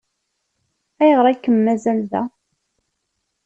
Ayɣer ay kem-mazal da?